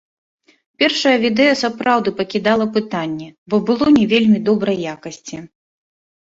Першае відэа сапраўды пакідала пытанні, бо было не вельмі добрай якасці.